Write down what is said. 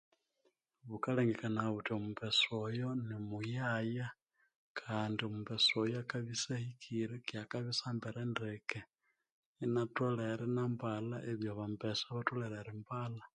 Ghukalengekanaya ghuthi omumbesa oyo nimuyaya kandi omumbesa oyo akabya isyahikire keghe akabya isyambere ndeke iniatholere inambalha ebya bambesa batholere ibambalha